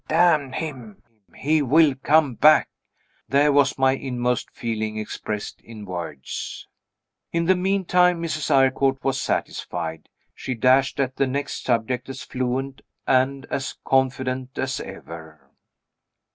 "Damn him, he will come back!" There was my inmost feeling expressed in words. In the meantime, Mrs. Eyrecourt was satisfied. She dashed at the next subject as fluent and as confident as ever.